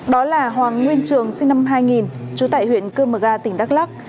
đó là hoàng nguyên trường sinh năm hai nghìn trú tại huyện cơ mờ ga tỉnh đắk lắk